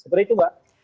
seperti itu mbak